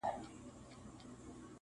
• چا ته لا سکروټي یم سور اور یمه..